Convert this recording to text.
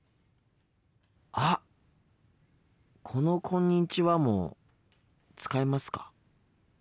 あっこの「こんにちは」も使いますか？